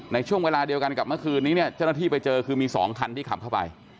ในช่วงเวลาเดียวกันกับเมื่อคืนนี้เนี่ยเจ้าหน้าที่ไปเจอคือมี๒คันที่ขับเข้าไป